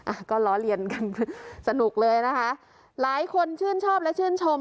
อ่ะก็ล้อเลียนกันสนุกเลยนะคะหลายคนชื่นชอบและชื่นชม